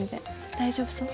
大丈夫そう？